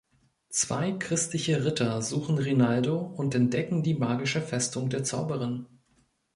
Zwei christliche Ritter suchen Rinaldo und entdecken die magische Festung der Zauberin.